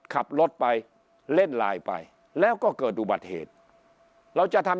ขับรถไปเล่นไลน์ไปแล้วก็เกิดอุบัติเหตุเราจะทำ